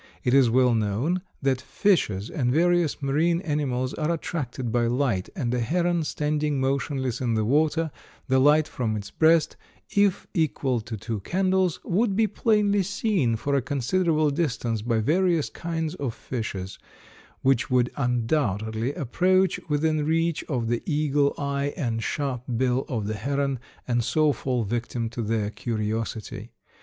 It is well known that fishes and various marine animals are attracted by light, and a heron standing motionless in the water, the light from its breast, if equal to two candles, would be plainly seen for a considerable distance by various kinds of fishes, which would undoubtedly approach within reach of the eagle eye and sharp bill of the heron and so fall victims to their curiosity.